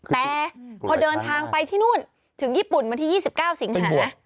แต่พอเดินทางไปที่นู่นถึงญี่ปุ่นวันที่๒๙สิงหา